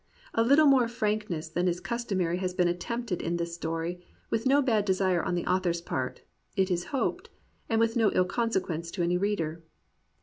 A Uttle more frank ness than is customary has been attempted in this story; with no bad desire on the author's part, it is hoped, and with no ill consequence to any reader.